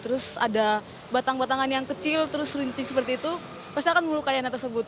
terus ada batang batangan yang kecil terus rinci seperti itu pasti akan melukai anak tersebut